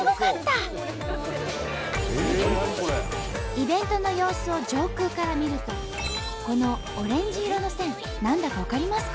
イベントの様子を上空から見るとこのオレンジ色の線何だか分かりますか？